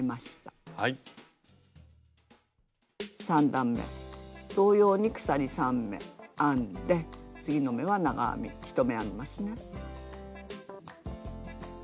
３段め同様に鎖３目編んで次の目は長編み１目編みますね。